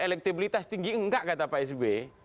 elektibilitas tinggi enggak kata pak s b